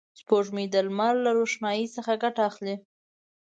سپوږمۍ د لمر له روښنایي څخه ګټه اخلي